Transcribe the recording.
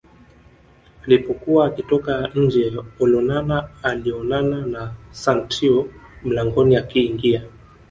Alipokuwa akitoka nje Olonana alionana na Santeu mlangoni akiingia